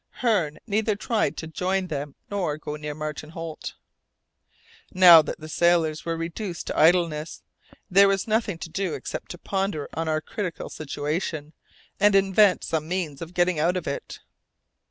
Hearne neither tried to join them nor to go near Martin Holt. Now that the sailors were reduced to idleness, there was nothing to do except to ponder on our critical situation, and invent some means of getting out of it.